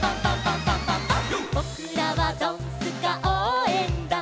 「ぼくらはドンスカおうえんだん」